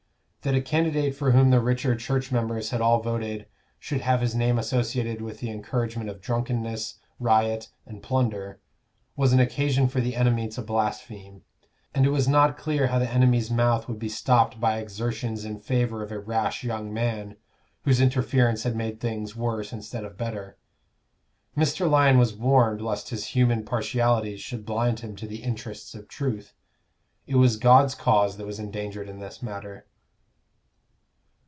That a candidate for whom the richer church members had all voted should have his name associated with the encouragement of drunkenness, riot, and plunder, was an occasion for the enemy to blaspheme; and it was not clear how the enemy's mouth would be stopped by exertions in favor of a rash young man, whose interference had made things worse instead of better. Mr. Lyon was warned lest his human partialities should blind him to the interests of truth: it was God's cause that was endangered in this matter.